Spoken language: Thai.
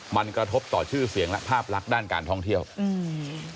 มันกระทบต่อชื่อเสียงและภาพลักษณ์ด้านการท่องเที่ยวอืม